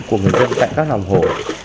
của người dân tại các lòng hồ